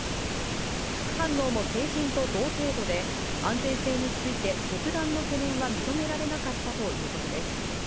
副反応も成人と同程度で、安全性について特段の懸念は認められなかったということです。